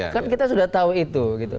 kan kita sudah tahu itu